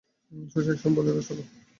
শশী একসময় বলিল, চলো।